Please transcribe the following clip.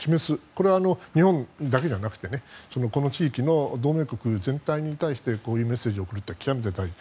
これは日本だけじゃなくてこの地域の同盟国全体に対してこういうメッセージを送るのは極めて大事。